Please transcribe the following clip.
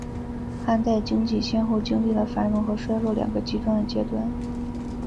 汉代经济先后经历了繁荣和衰落两个极端的阶段。